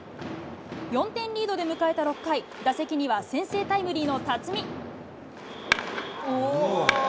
４点リードで迎えた６回、打席には先制タイムリーの辰己。